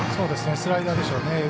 スライダーでしょうね。